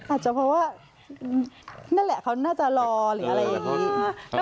อาจจะเพราะว่านั่นแหละเขาน่าจะรอหรืออะไรอย่างนี้